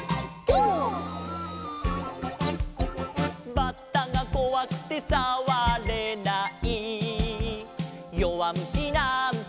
「バッタがこわくてさわれない」「よわむしなんて」